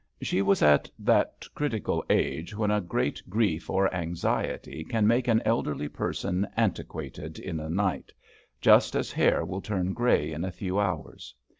She was at that critical age when a great grief or anxiety can make an elderly person antiquated in a night just as hair will turn grey in a few hours.